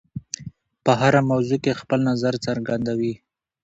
په هره موضوع کې خپل نظر څرګندوي.